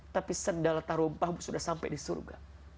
tapi sendalata rumpahmu sudah sampai di surga